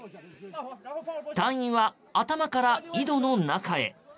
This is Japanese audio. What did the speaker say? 隊員は頭から井戸の中へ。